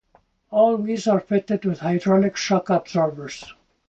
All wheels are fitted with hydraulic shock absorbers.